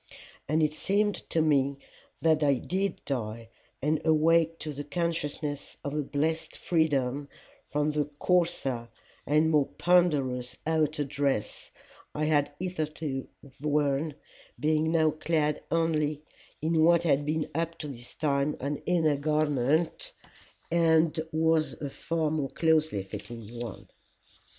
And it seemed to me that I did die, and awake to the consciousness of a blessed freedom from the coarser and more ponderous outer dress I had hitherto worn, being now clad only in what had been up to this time an inner garment, and was a far more closely fitting one.